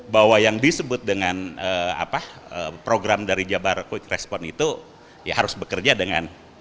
bahwa yang disebut dengan program dari jabar quick response itu ya harus bekerja dengan